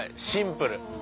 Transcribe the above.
シンプル！